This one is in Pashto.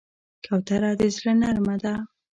کوتره د زړه نرمه ده.